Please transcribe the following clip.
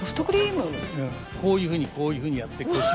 こういうふうにこういうふうにやって腰をこうやって。